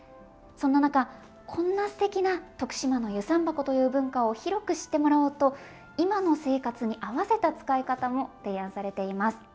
そんな中こんなすてきな徳島の遊山箱という文化を広く知ってもらおうと今の生活に合わせた使い方も提案されています。